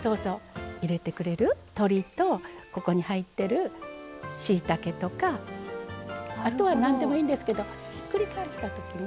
鶏と、ここに入ってるしいたけとかあとは、なんでもいいんですけどひっくり返したときに。